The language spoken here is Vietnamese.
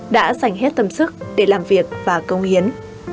đã dành hết tâm sức để làm việc và công hiến